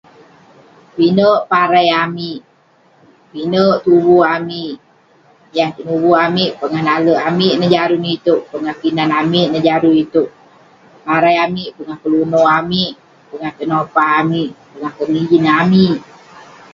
pinek parai amik, pinek tuvu amik, yah tenuvu amik, pongah nalek amik neh jarun itouk, pongah kinan amik neh jarun itouk, parai amik pongah keluno amik, pongah tenopa amik, pongah kenijin amik